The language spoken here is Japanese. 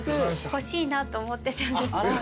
欲しいなと思ってたんで。